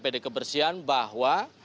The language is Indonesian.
pd kebersihan bahwa